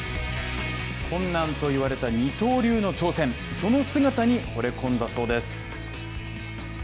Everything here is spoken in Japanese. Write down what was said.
困難と言われた二刀流の挑戦、その姿に惚れ込んだそうです。